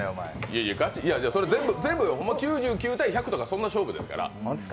全部９９−１００とかそんな勝負ですから。